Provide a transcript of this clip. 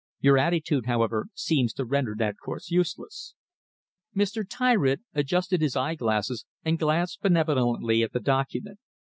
"Your attitude, however, seems to render that course useless." Mr. Tyritt adjusted his eyeglasses and glanced benevolently at the document.